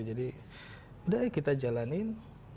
jadi udah kita jalanin